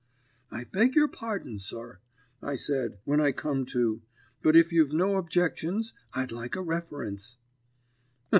"'I beg your pardon, sir,' I said, when I come to, 'but if you've no objections I'd like a reference.'